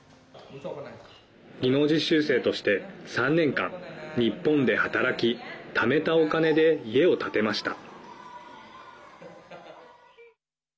技能実習生として３年間、日本で働きためたお金で家を建てました。